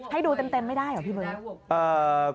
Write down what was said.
ให้ดูเต็มไม่ได้เหรอพี่มึง